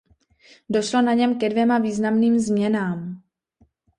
Došlo na něm ke dvěma významným změnám.